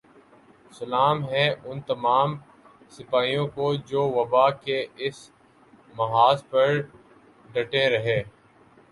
سلام ہے ان تمام سپاہیوں کو جو وبا کے اس محاذ پر ڈٹے رہے